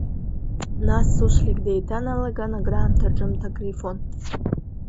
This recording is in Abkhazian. Нас Суслик деиҭаналаган акраамҭа ҿымҭ акрифон.